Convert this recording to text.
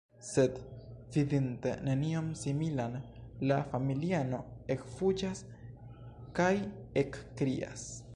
Sed, vidinte nenion similan, la familiano ekfuĝas kaj ekkrias.